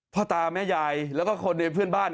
พ่อตาแม่ยายแล้วก็คนในเพื่อนบ้าน